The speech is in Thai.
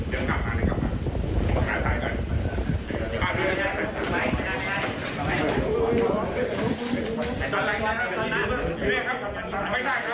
ยังไงครับพี่พี่เราปฏิเสธหรือยังไงอ่ะคะ